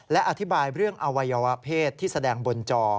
และอธิบายเรื่องอวัยวะเพศที่แสดงบนจอ